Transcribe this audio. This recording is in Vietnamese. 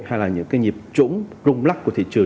hay là những cái nhịp trũng rung lắc của thị trường